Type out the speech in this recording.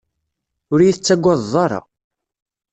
Ur iyi-tettagadeḍ ara.